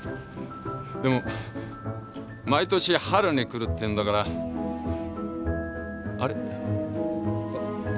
でも毎年春に来るって言うんだからあれ？